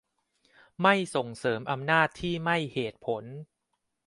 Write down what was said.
ไม่ส่งเสริม อำนาจที่ไม่เหตุผล